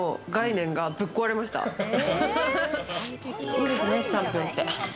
いいですねチャンピオンって。